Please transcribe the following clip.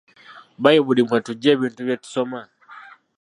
Bbayibuli mwe tujja ebintu bye tusoma.